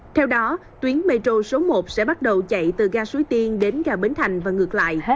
theo đó tuyến metro số một sẽ bắt đầu chạy từ ga suối tiên đến ga bến thành và ngược lại hết